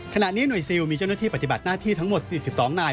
ขณะนี้หน่วยซิลมีเจ้าหน้าที่ปฏิบัติหน้าที่ทั้งหมด๔๒นาย